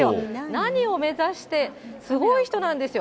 何を目指して、すごい人なんですよ。